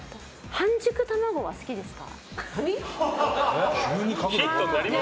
半熟卵、大好きですよ。